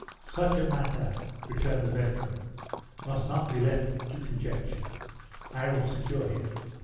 "Such a matter," returned the veteran, "must not be left to conjecture; I will secure him!"